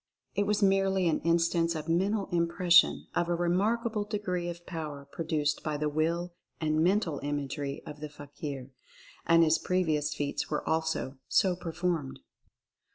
It was merely an instance of Mental Im pression of a remarkable degree of power produced by the Will and Mental Imagery of the fakir; and his previous feats were also so performed.